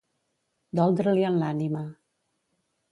Doldre-l'hi en l'ànima.